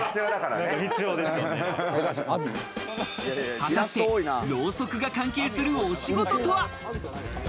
果たしてロウソクが関係するお仕事とは？